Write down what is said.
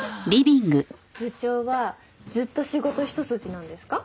部長はずっと仕事一筋なんですか？